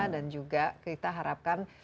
dan juga kita harapkan